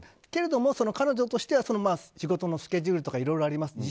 けれども彼女としては、仕事のスケジュールとかいろいろあります。